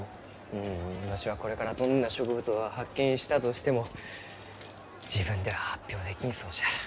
うんわしがこれからどんな植物を発見したとしても自分では発表できんそうじゃ。